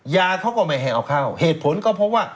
ยาเขาก็ไม่ให้เอาเข้าเหตุผลก็เพราะว่า